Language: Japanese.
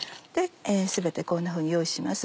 全てこんなふうに用意します。